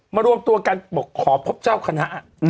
มารวมตัวกันขอพบเจ้าคณะ